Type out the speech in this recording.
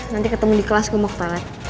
nanti ketemu di kelas gue mau ke toilet